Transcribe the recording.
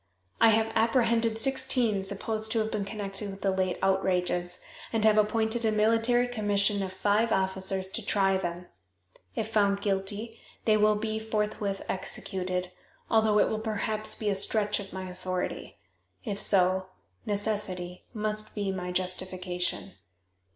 I have apprehended sixteen supposed to have been connected with the late outrages, and have appointed a military commission of five officers to try them. If found guilty they will be forthwith executed, although it will perhaps be a stretch of my authority. If so, necessity must be my justification.